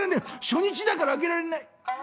初日だからあげらんない」。